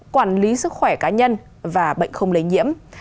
quản lý sức khỏe cá nhân và bệnh không lấy nhiễm